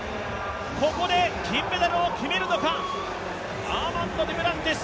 ここで金メダルを決めるのか、アーマンド・デュプランティス。